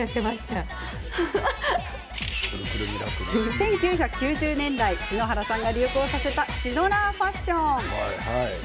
１９９０年代篠原さんが流行させたシノラーファッション。